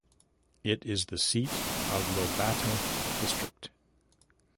It is the seat of Lobata District.